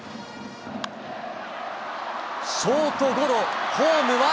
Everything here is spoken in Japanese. ショートゴロ、ホームは？